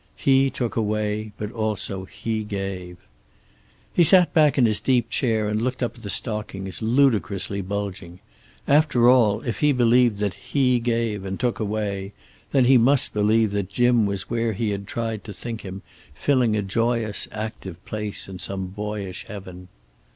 He took away, but also He gave. He sat back in his deep chair, and looked up at the stockings, ludicrously bulging. After all, if he believed that He gave and took away, then he must believe that Jim was where he had tried to think him, filling a joyous, active place in some boyish heaven.